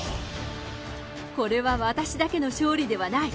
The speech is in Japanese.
これは私だけの勝利ではない！